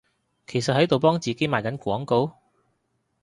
其實喺度幫自己賣緊廣告？